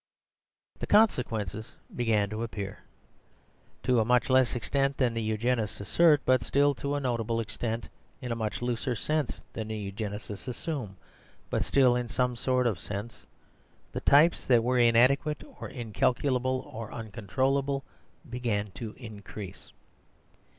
The consequences began to appear. To a much less extent than the Eugenists assert, but still to a notable extent, in a much looser sense than the Eugenists assume, but still in some sort of sense, the types that were inadequate or incalculable or uncontrollable began to increase.